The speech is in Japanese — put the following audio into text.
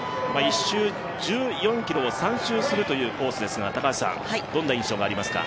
１周１４ｋｍを３周するというコースですが、どんな印象がありますか？